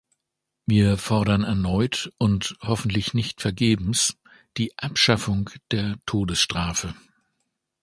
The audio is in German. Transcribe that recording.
Wir fordern erneut, und hoffentlich nicht vergebens, die Abschaffung der Todesstrafe.